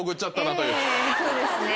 そうですね。